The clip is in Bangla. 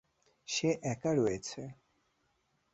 সে একা রয়েছে!